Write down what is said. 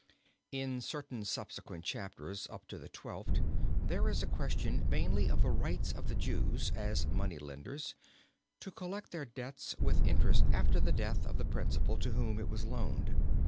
In certain subsequent chapters up to the twelfth there is question mainly of the rights of the Jews, as money lenders, to collect their debts with interest after the death of the principal to whom it was loaned.